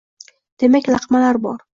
Demak, laqmalar bor